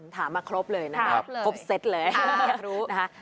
ถามมาครบเลยนะครับครบเซตเลย